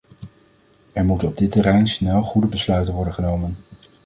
Er moeten op dit terrein snel goede besluiten worden genomen.